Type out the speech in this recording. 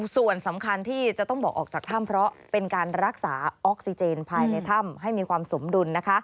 ส่วนสำคัญที่จะต้องบอกออกจากถ้ำเพราะเป็นการรักษาออกซิเจนภายในถ้ำให้มีความสมดุล